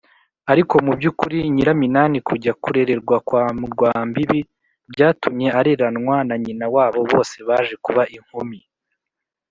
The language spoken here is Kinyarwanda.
ariko mu by’ukuri nyiraminani kujya kurererwa kwa rwambibi byatumye areranwa na nyina wabo. bose baje kuba inkumi